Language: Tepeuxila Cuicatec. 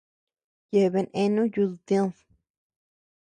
Yeabean eanu yudu tïd.